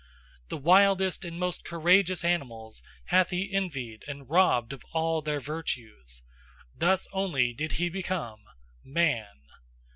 The wildest and most courageous animals hath he envied and robbed of all their virtues: thus only did he become man.